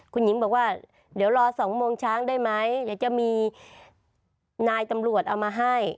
คุณหญิงบอกว่าเดี๋ยวรอ๒โมงช้างได้ไหมเดี๋ยวจะมีนายตำรวจเอามาให้